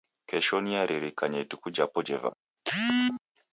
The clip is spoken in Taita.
Kesho niaririkanya ituku japo jevalwa